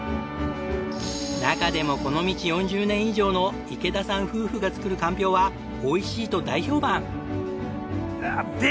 中でもこの道４０年以上の池田さん夫婦が作るかんぴょうはおいしいと大評判。